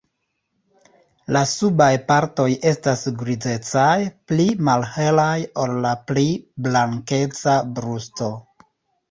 La subaj partoj estas grizecaj, pli malhelaj ol la pli blankeca brusto.